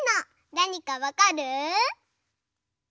なにかわかる？